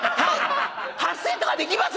発声とかできます？